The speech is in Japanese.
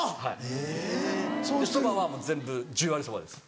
そばは全部十割そばです。